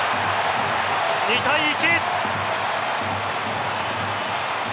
２対１。